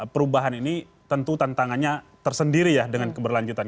perubahan ini tentu tantangannya tersendiri ya dengan keberlanjutan